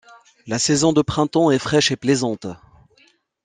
La saison de printemps est fraîche et plaisante.